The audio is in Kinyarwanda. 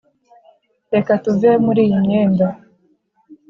reka tuve muri iyi myenda.